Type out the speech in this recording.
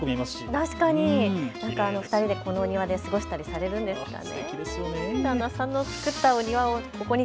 ２人でこのお庭で過ごしたりされるんですかね。